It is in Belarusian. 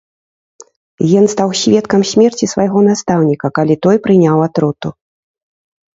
Ен стаў сведкам смерці свайго настаўніка, калі той прыняў атруту.